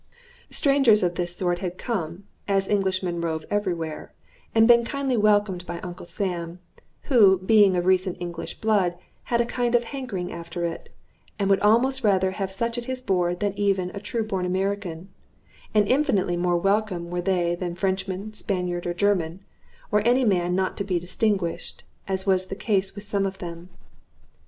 Strangers of this sort had come (as Englishmen rove every where), and been kindly welcomed by Uncle Sam, who, being of recent English blood, had a kind of hankering after it, and would almost rather have such at his board than even a true born American; and infinitely more welcome were they than Frenchman, Spaniard, or German, or any man not to be distinguished, as was the case with some of them.